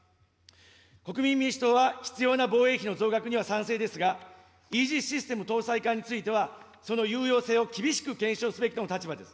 国民民主党は、必要な防衛費の増額には賛成ですが、イージス・システム搭載艦については、その有用性を厳しく検証すべきとの立場です。